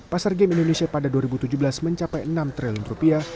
pasar game indonesia pada dua ribu tujuh belas mencapai enam triliun rupiah